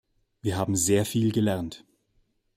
Wir haben sehr viel gelernt.